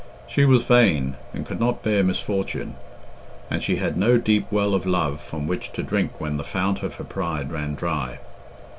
She was vain, and could not bear misfortune; and she had no deep well of love from which to drink when the fount of her pride ran dry.